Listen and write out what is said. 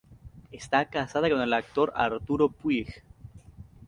Está casada con el actor Arturo Puig.